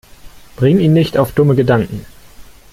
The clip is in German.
Bring ihn nicht auf dumme Gedanken!